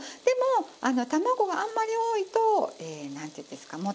でも卵があんまり多いとえなんていうんですか？